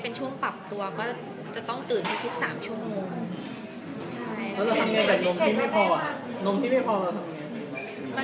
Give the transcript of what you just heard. แล้วก็ภาพที่เห็นคือแกรู้สึกได้ค่ะ